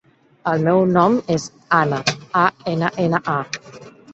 El meu nom és Anna: a, ena, ena, a.